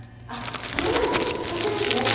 あっその前に試食ですね！